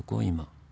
今。